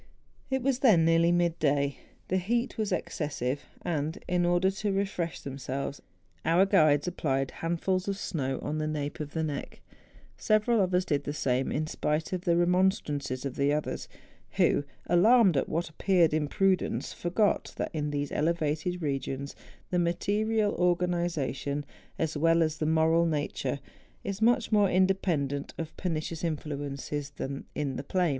It was then nearly mid day ; the heat was ex¬ cessive; and, in order to refresh themselves, our guides applied handfuls of snow on the nape of the neck. Several of us did the same, in spite of the I THE JUNGFRAU THE JUNGFRAU. 71 remonstrances of the others, who, alarmed at what appeared imprudence, forgot that in these elevated regions, the material organization, as well as the moral nature, is much more independent of per¬ nicious influences than in the plain.